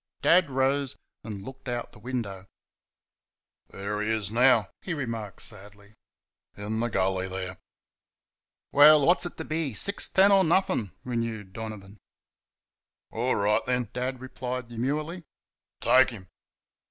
Dad rose and looked out the window. "There he is now," he remarked sadly, "in the gully there." "Well, what's it to be six ten or nothing?" renewed Donovan. "All right, then," Dad replied, demurely, "take him!"